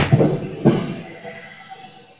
আসলে, তখনও আমি একটা কেসের তদন্ত করছিলাম।